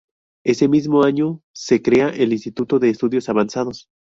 Ese mismo año, se crea el Instituto de Estudios Avanzados.